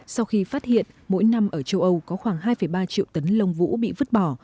sau khi phát hiện mỗi năm ở châu âu có khoảng hai ba triệu tấn lông vũ bị vứt bỏ